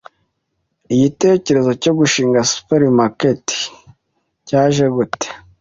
Igitekerezo cyo gushinga Supermarket cyaje gute